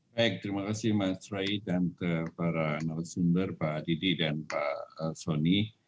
baik terima kasih mas roy dan para analisunder pak didik dan pak soni